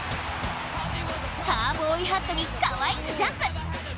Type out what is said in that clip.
カウボーイハットにかわいくジャンプ！